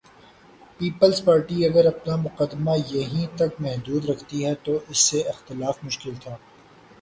Peoples Party اگر اپنا مقدمہ یہیں تک محدود رکھتی تو اس سے اختلاف مشکل تھا۔